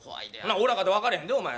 俺らかて分からへんでお前。